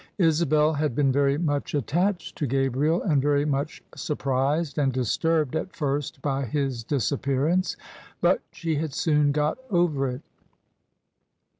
Isabel had been very much attached to Gabriel and very much surprised and disturbed at first by his disappearance. But she had soon got over it.